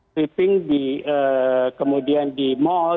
briefing kemudian di mall